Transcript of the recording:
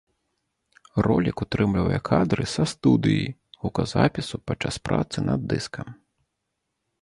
Ролік утрымлівае кадры са студыі гуказапісу падчас працы над дыскам.